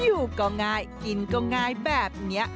อยู่ก็ง่ายกินก็ง่ายแบบนี้